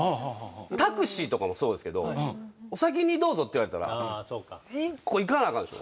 タクシーとかもそうですけど「お先にどうぞ」って言われたら一個行かなあかんでしょ。